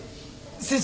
先生